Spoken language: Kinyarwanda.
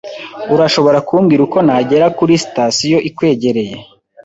Urashobora kumbwira uko nagera kuri sitasiyo ikwegereye?